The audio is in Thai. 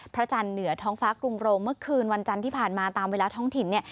จันทร์เหนือท้องฟ้ากรุงโรงเมื่อคืนวันจันทร์ที่ผ่านมาตามเวลาท้องถิ่นเนี่ย